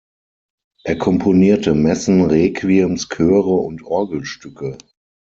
Er komponierte Messen, Requiems, Chöre und Orgelstücke.